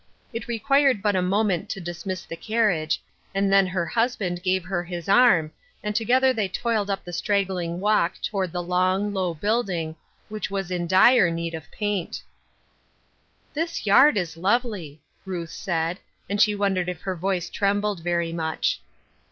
It required but a moment to dismiss the carriage, and then her husband gave her his arm, and together they toiled up the straggling walk toward the long, low building, which was in dire need of paint. "This yard is lovely," Ruth said, and she wondered if her voice trembled very much.